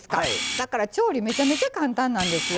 だから調理めちゃめちゃ簡単なんですよ。